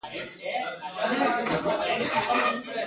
آیا ځنګلونه بیا احیا کیږي؟